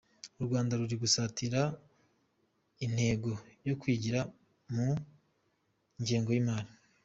U Rwanda ruri gusatira intego yo kwigira mu ngengo y’imari.